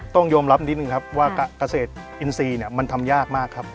ต้องยอมรับนิดหนึ่งครับว่ากระเศษอินทรีย์เนี้ยมันทำยากมากครับ